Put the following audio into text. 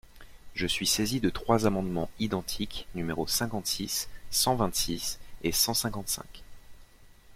Je suis saisi de trois amendements identiques, numéros cinquante-six, cent vingt-six et cent cinquante-cinq.